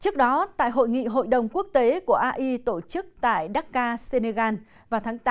trước đó tại hội nghị hội đồng quốc tế của ai tổ chức tại dakar senegal vào tháng tám năm hai nghìn một